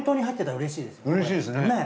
うれしいですね。ねぇ。